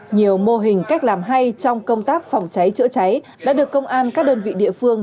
nhiều mô hình cách làm hay trong công tác phòng cháy chữa cháy đã được công an các đơn vị địa phương